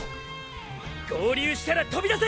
合流したらとびだせ！！